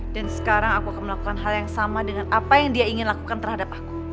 dan sekarang aku akan melakukan hal yang sama dengan apa yang dia ingin lakukan terhadap aku